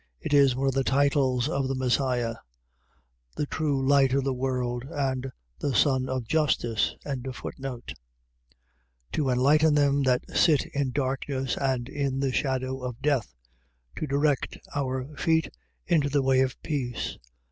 . .It is one of the titles of the Messias, the true light of the world, and the sun of justice. 1:79. To enlighten them that sit in darkness and in the shadow of death: to direct our feet into the way of peace.